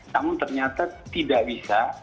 namun ternyata tidak bisa